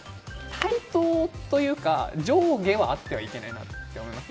対等というか、上下はあってはいけないなって思います。